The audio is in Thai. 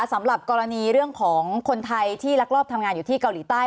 สำหรับกรณีเรื่องของคนไทยที่รักรอบทำงานอยู่ที่เกาหลีใต้